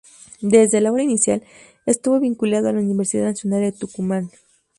Desde la hora inicial, estuvo vinculado a la Universidad Nacional de Tucumán.